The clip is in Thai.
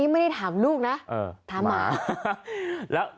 เพื่อเล่นตลกหาเงินครับ